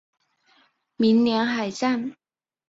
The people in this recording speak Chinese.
鸣梁海战